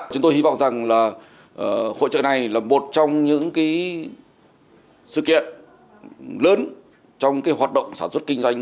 chúng tôi hy vọng rằng là hội trợ này là một trong những sự kiện lớn trong hoạt động sản xuất kinh doanh